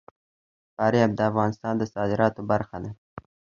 فاریاب د افغانستان د صادراتو برخه ده.